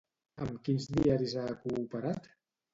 Amb quins diaris ha cooperat?